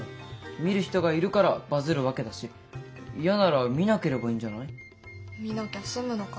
見る人がいるからバズるわけだし嫌なら見なければいいんじゃない？見なきゃ済むのかな？